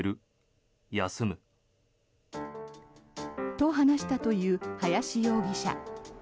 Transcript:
と、話したという林容疑者。